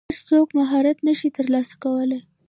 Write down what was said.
هر څوک مهارت نشي ترلاسه کولی.